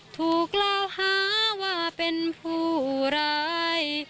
ถูกกล่าวหาว่าเป็นผู้ร้าย